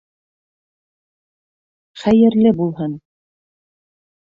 Хәйерле булһын.